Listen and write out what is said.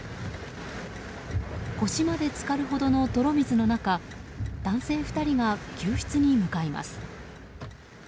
腰まで浸かるほどの泥水の中男性２人が救出に向かいます。